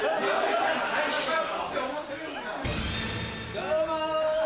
どうも！